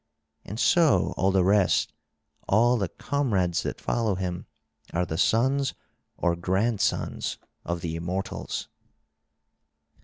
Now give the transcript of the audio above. And so all the rest, all the comrades that follow him, are the sons or grandsons of the immortals."